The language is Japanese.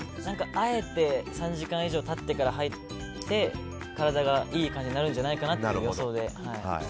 あえて３時間以上経ってから入って体がいい感じになるんじゃないかなって予想で。